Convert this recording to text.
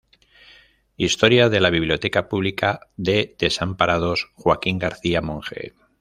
Historia de la Biblioteca Pública de Desamparados Joaquín García Monge.